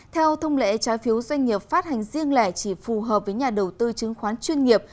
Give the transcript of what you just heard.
theo thông lệ trái phiếu doanh nghiệp phát hành riêng lẻ chỉ phù hợp với nhà đầu tư chứng khoán chuyên nghiệp